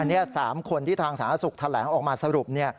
อันนี้๓คนที่ทางสาธารณสุขแถลงออกมาสรุป